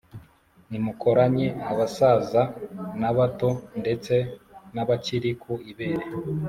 Nimukoranye abasaza, n’abato, ndetse n’abakiri ku ibere.